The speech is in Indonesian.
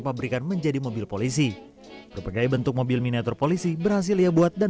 pabrikan menjadi mobil polisi berbagai bentuk mobil miniatur polisi berhasil ia buat dan